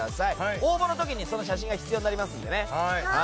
応募の時に写真が必要になりますのでね。